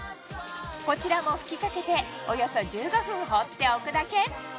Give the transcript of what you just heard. こちらも吹きかけておよそ１５分放っておくだけ！